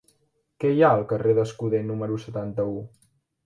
Què hi ha al carrer d'Escuder número setanta-u?